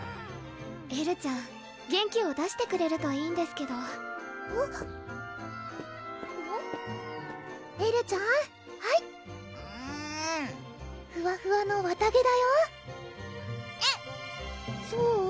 エルちゃん元気を出してくれるといいんですけどエルちゃんはいえうっふわふわの綿毛だよえるそう？